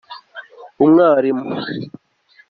umwarimu.